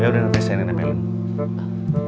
ya udah nanti saya nempelin